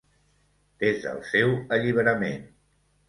Des del seu alliberament.